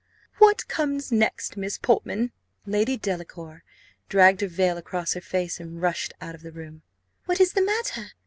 What comes next, Miss Portman?" Lady Delacour dragged her veil across her face, and rushed out of the room. "What is the matter?